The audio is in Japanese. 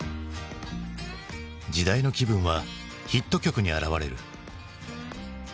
時代の気分はヒット曲に表れる。